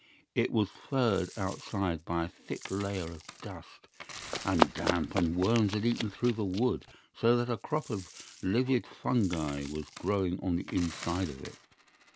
It was furred outside by a thick layer of dust, and damp and worms had eaten through the wood, so that a crop of livid fungi was growing on the inside of it.